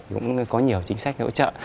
cũng có nhiều chính sách hỗ trợ